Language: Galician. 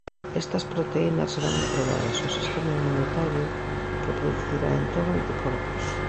Estas proteínas serán entregadas ao sistema inmunitario, que producirá entón anticorpos.